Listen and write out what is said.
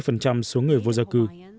đây là bốn mươi số người vô gia cư